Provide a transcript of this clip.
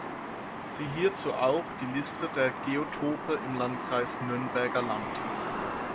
Siehe hierzu auch die Liste der Geotope im Landkreis Nürnberger Land.